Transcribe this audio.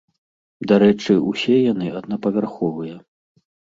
Дарэчы, усе яны аднапавярховыя.